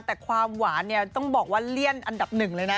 แต่ความหวานเนี่ยต้องบอกว่าเลี่ยนอันดับหนึ่งเลยนะ